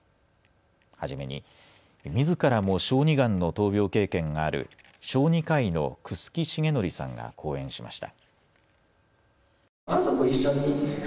初めにみずからも小児がんの闘病経験がある小児科医の楠木重範さんが講演しました。